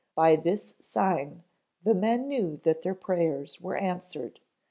By this sign the men knew that their prayers were answered.